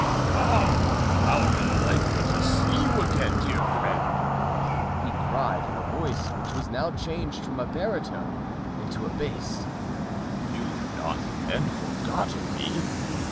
"Ah! how delightful to see you again, dear friend!" he cried, in a voice which was now changed from a baritone into a bass, "you've not then forgotten me?"